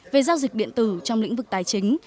về giao dịch điện tử trong lĩnh vực tài chính